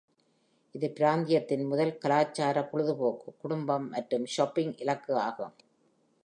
இது பிராந்தியத்தின் முதல் கலாச்சார, பொழுதுபோக்கு, குடும்பம் மற்றும் ஷாப்பிங் இலக்கு ஆகும்.